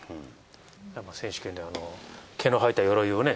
選手権で毛のはえたよろいをね。